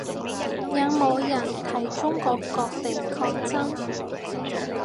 有冇人有睇中國各地抗爭